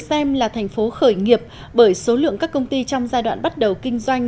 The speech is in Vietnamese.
hồ chí minh được xem là thành phố khởi nghiệp bởi số lượng các công ty trong giai đoạn bắt đầu kinh doanh